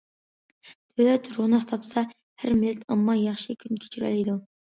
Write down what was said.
دۆلەت روناق تاپسا، ھەر مىللەت ئامما ياخشى كۈن كەچۈرەلەيدۇ.